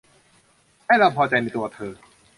ให้เราพอใจในตัวเธอ